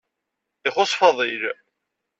Ixuṣṣ Fadil.